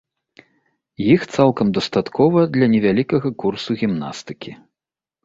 Іх цалкам дастаткова для невялікага курсу гімнастыкі.